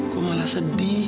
kau malah sedih